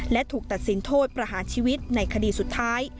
และถูกตัดสินโทษประหารชีวิตในคดีสุดท้าย